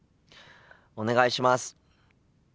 お願いします。